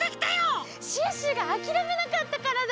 シュッシュがあきらめなかったからだよ。